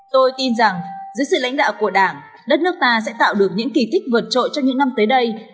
tôi tin rằng dưới sự lãnh đạo của đảng đất nước ta sẽ tạo được những kỳ tích vượt trội cho những năm tới đây